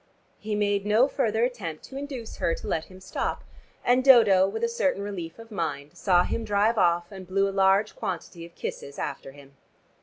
He made no further attempt to induce her to let him stop, and Dodo, with a certain relief of mind, saw him drive off and blew a large quantity of kisses after him.